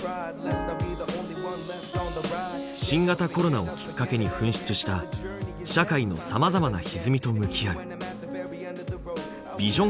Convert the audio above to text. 新型コロナをきっかけに噴出した社会のさまざまなひずみと向き合うビジョン